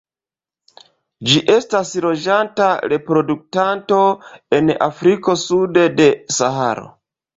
Ĝi estas loĝanta reproduktanto en Afriko sude de Saharo.